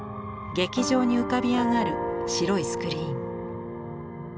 劇場に浮かび上がる白いスクリーン。